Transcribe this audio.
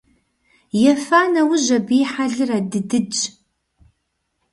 Ефа нэужь абы и хьэлыр адыдыдщ.